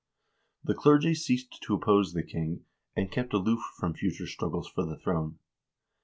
The clergy ceased to oppose the king, and kept aloof from future struggles for the throne.